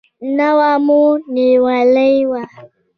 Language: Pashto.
نوه مو نیولې ده.